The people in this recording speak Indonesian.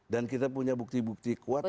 dan kita punya bukti bukti kuat